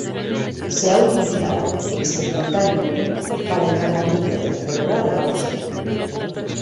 Se ha utilizado experimentalmente para el tratamiento de la enfermedad de Gaucher.